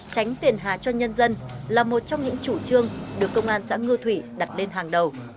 tránh phiền hà cho nhân dân là một trong những chủ trương được công an xã ngư thủy đặt lên đường